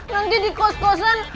nanti di kos kosan